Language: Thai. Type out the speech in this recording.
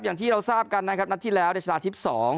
อย่างที่เราทราบกันนะครับนักที่แล้วดิจารณาธิปสอง